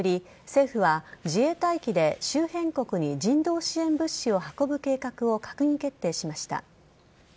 政府は自衛隊機で周辺国に人道支援物資を運ぶ計画を閣議決定しました。